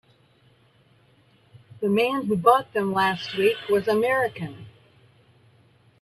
The man who bought them last week was American.